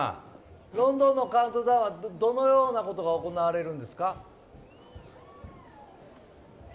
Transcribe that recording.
ロンドンのカウントダウンはどのようなことが行われるんですか？